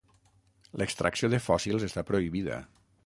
L'extracció de fòssils està prohibida.